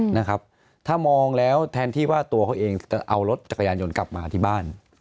นะครับถ้ามองแล้วแทนที่ว่าตัวเขาเองจะเอารถจักรยานยนต์กลับมาที่บ้าน